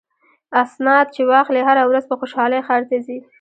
اسناد چې واخلي هره ورځ په خوشحالۍ ښار ته ځي.